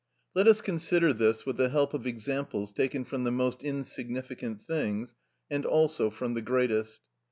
Let us consider this with the help of examples taken from the most insignificant things, and also from the greatest.